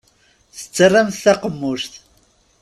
Tettarramt taqemmuct.